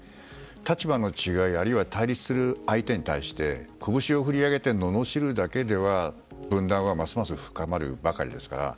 立場の違いあるいは対立する相手に対して拳を振り上げてののしるだけでは分断はますます深まるばかりですから。